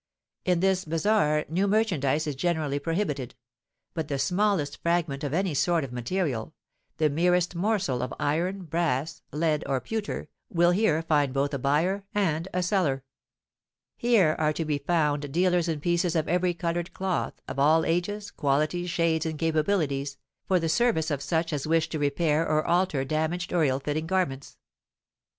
In this bazar new merchandise is generally prohibited; but the smallest fragment of any sort of material, the merest morsel of iron, brass, lead, or pewter, will here find both a buyer and a seller. Here are to be found dealers in pieces of every coloured cloth, of all ages, qualities, shades, and capabilities, for the service of such as wish to repair or alter damaged or ill fitting garments.